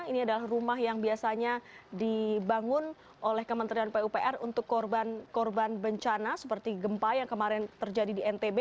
ini adalah rumah yang biasanya dibangun oleh kementerian pupr untuk korban korban bencana seperti gempa yang kemarin terjadi di ntb